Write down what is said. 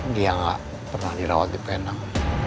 dia nggak pernah dirawat di penang